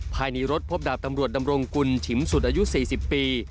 ภายในรถพบดาบตำรวจดำรงกุลฉิมสุดอายุ๔๐ปี